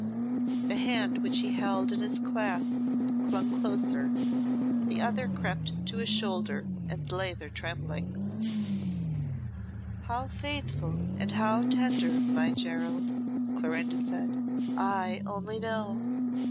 The hand which he held in his clasp clung closer. The other crept to his shoulder and lay there tremblingly. "How faithful and how tender, my Gerald," Clorinda said, "I only know.